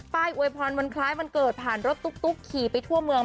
อวยพรวันคล้ายวันเกิดผ่านรถตุ๊กขี่ไปทั่วเมือง